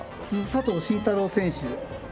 佐藤愼太郎選手